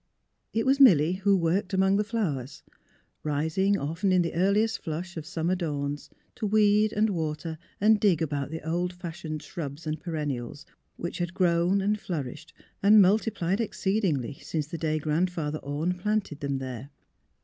It was Milly who worked among the flowers, rising often in the earliest flush of summer dawns to weed and water and dig about the old fashioned shrubs and perennials, 83 THE OENES 83 whicli had grown and flourished and multiplied exceedingly since the day Grandfather Orne planted them there.